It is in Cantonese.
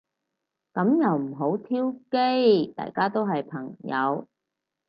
噉又唔好挑機。大家都係朋友